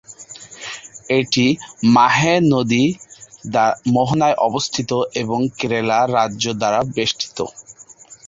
এটি মাহে নদীর মোহনায় অবস্থিত এবং কেরালা রাজ্য দ্বারা বেষ্টিত।